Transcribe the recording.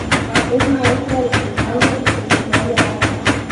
Es maestra de primaria y secundaria baja.